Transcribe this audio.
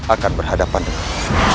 akan berhadapan dengan aku